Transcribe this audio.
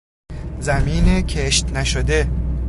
زمین کشتنشده